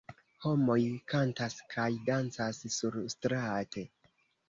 Homoj kantas kaj dancas surstrate.